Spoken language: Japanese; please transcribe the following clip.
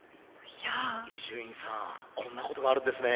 伊集院さんこんなことがあるんですね。